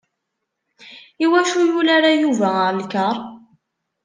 Iwacu ur yuli-ara Yuba ar lkar.